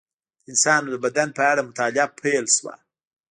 د انسان د بدن په اړه مطالعه پیل شوه.